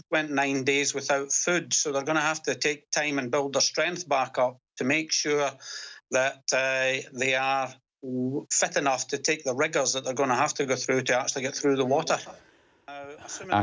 เพื่อจะเข้าไปที่ธุรกิจ